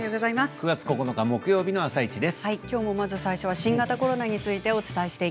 ９月９日木曜日の「あさイチ」です。